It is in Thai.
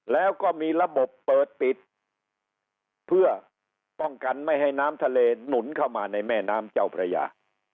แล้วก็มีระบบเปิดปิดเพื่อป้องกันไม่ให้น้ำทะเลหนุนเข้ามาในแม่น้ำเจ้าพระยา